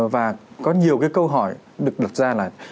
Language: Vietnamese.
và có nhiều câu hỏi được đọc ra là